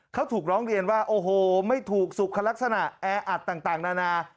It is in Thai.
เขาถูกร้องเรียนว่าโอ้โหไม่ถูกสุขลักษณะแออัดต่างนานา